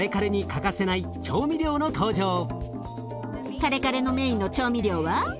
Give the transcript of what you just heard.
カレカレのメインの調味料は？